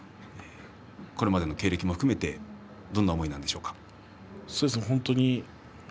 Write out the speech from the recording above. これまでの経歴も含めてどんな思いなんでしょうか？